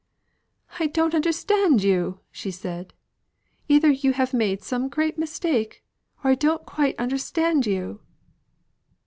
"I don't understand you," she said. "Either you have made some great mistake, or I don't quite understand you."